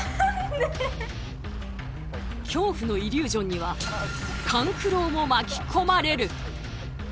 恐怖のイリュージョンには勘九郎も巻き込まれる。